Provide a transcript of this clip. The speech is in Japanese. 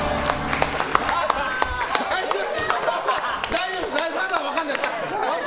大丈夫ですまだ分からないです。